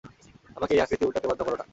আমাকে এই আকৃতি উল্টাতে বাধ্য করো না।